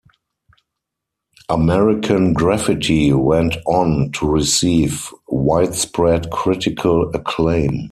"American Graffiti" went on to receive widespread critical acclaim.